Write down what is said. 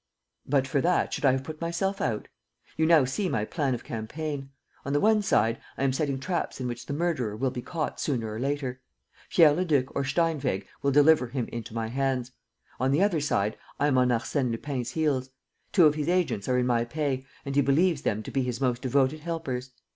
"But for that, should I have put myself out? You now see my plan of campaign. On the one side, I am setting traps in which the murderer will be caught sooner or later. Pierre Leduc or Steinweg will deliver him into my hands. On the other side, I am on Arsène Lupin's heels. Two of his agents are in my pay and he believes them to be his most devoted helpers.